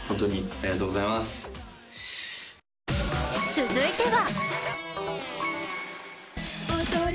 続いては。